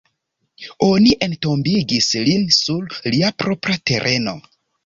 Oni entombigis lin sur lia propra tereno.